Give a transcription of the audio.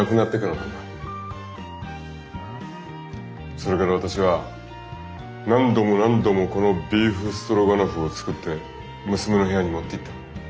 それから私は何度も何度もこのビーフストロガノフを作って娘の部屋に持っていった。